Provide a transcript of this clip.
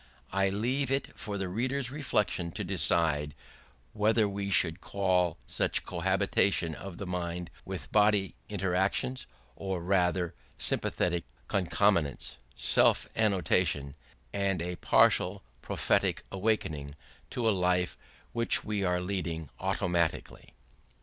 I leave it for the reader's reflection to decide whether we should call such cohabitation of mind with body interaction, or not rather sympathetic concomitance, self annotation, and a partial prophetic awakening to a life which we are leading automatically.